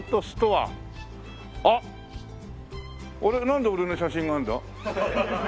なんで俺の写真があるんだ？